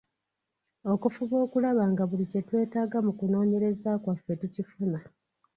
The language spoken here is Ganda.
Okufuba okulaba nga buli kye twetaaga mu kunoonyereza kwaffe tukifuna.